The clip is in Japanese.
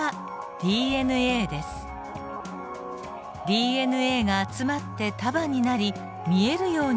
ＤＮＡが集まって束になり見えるようになったのです。